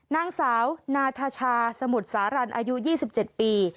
นางสาวนาธชาสมุทรสารันอายุ๒๗ปี